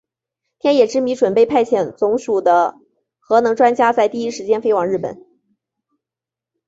天野之弥准备派遣总署的核能专家在第一时间飞往日本。